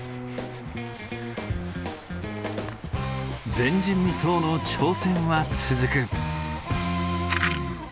前人未到の挑戦は続く。